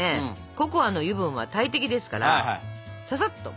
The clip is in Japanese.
ココアの油分は大敵ですからささっと！